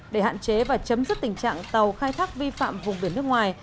để hạn chế và chấm dứt tình trạng tàu khai thác vi phạm vùng biển nước ngoài